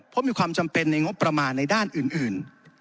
เพราะมีความจำเป็นในงบประมาณในด้านอื่น